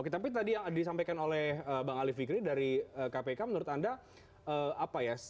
tapi tadi yang disampaikan oleh bang alif fikri dari kpk menurut anda